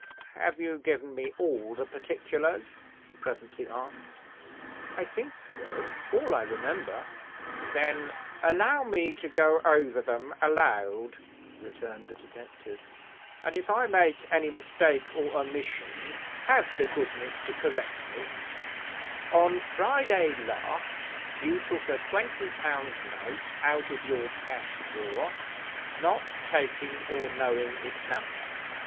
"Have you given me all the particulars?" he presently asked. "I think so. All I remember." "Then allow me to go over them aloud," returned the detective; "and, if I make any mistake or omission, have the goodness to correct me: On Friday last, you took a twenty pound note out of your cash drawer, not taking or knowing its number.